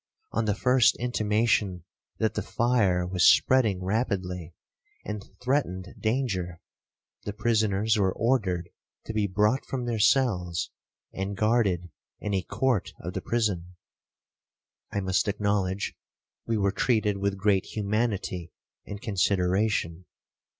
On the first intimation that the fire was spreading rapidly, and threatened danger, the prisoners were ordered to be brought from their cells, and guarded in a court of the prison. I must acknowledge we were treated with great humanity and consideration.